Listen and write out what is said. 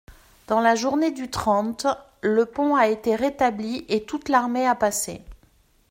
Dans la journée du trente, le pont a été rétabli et toute l'armée a passé.